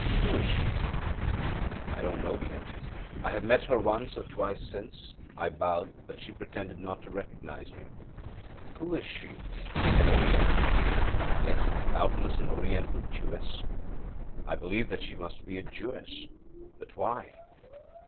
âWho is she? I don't know yet. I have met her once or twice since. I bowed, but she pretended not to recognize me. Who is she? An Oriental? Yes, doubtless an oriental Jewess! I believe that she must be a Jewess! But why?